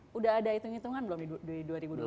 sudah ada hitung hitungan belum di dua ribu dua puluh empat